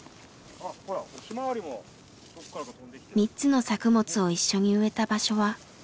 ３つの作物を一緒に植えた場所は。